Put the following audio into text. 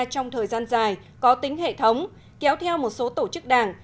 trong thời gian dài có tính hệ thống kéo theo một số tổ chức đảng